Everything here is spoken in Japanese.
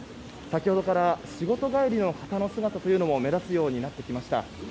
先ほどから仕事帰りの方の姿も目立つようになってきました。